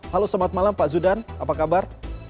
halo selamat malam pak zudan apa kabar